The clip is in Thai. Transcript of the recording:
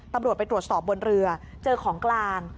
ตำรวจไปตรวจสอบบนเรือเจอของกลาง